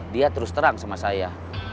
dia terus terang sama saya